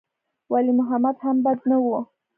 ولي محمد هم بد نه و.